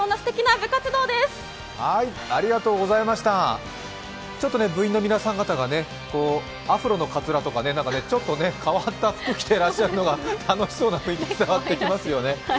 部員の皆さん方が、アフロのかつらとか、ちょっと変わった服着てらっしゃるのが、楽しそうな雰囲気伝わってきますよね。